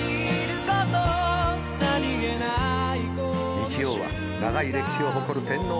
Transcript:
日曜は長い歴史を誇る天皇賞。